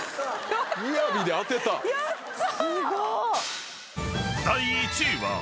やった！